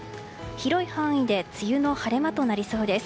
広い範囲で梅雨の晴れ間となりそうです。